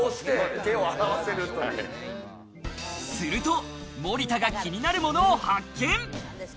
すると森田が気になるものを発見。